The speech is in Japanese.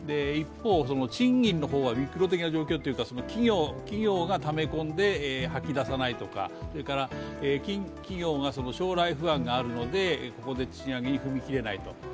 一方、賃金の方はミクロ的な状況というか企業がためこんで、はき出さないとか、企業が将来不安があるのでここで賃上げに踏み切れない。